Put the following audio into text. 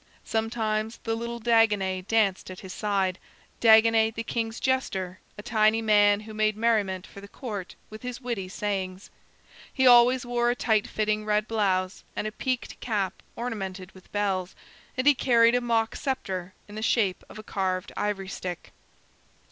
Sometimes the little Dagonet danced at his side, Dagonet the king's jester, a tiny man who made merriment for the Court with his witty sayings. He always wore a tight fitting red blouse and a peaked cap ornamented with bells, and he carried a mock scepter in the shape of a carved ivory stick.